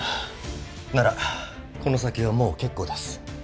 はぁならこの先はもう結構です。